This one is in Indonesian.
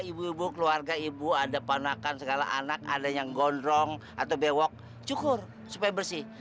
ibu ibu keluarga ibu ada panakan segala anak ada yang gondrong atau bewok cukur supaya bersih